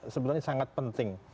sebenarnya sangat penting